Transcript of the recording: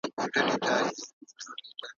د واکسین لومړني پړاو نتایج مثبت دي.